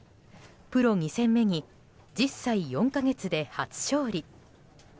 プロ２戦目に１０歳４か月で初勝利。